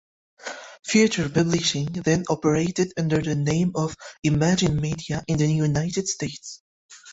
Future Publishing then operated under the name of Imagine Media in the United States.